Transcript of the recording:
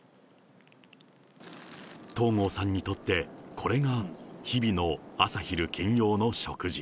東郷さんにとって、これが日々の朝昼兼用の食事。